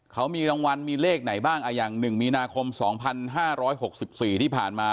เขามีรางวัลมีเลขไหนบ้างอ่ะอย่างหนึ่งมีนาคมสองพันห้าร้อยหกสิบสี่ที่ผ่านมา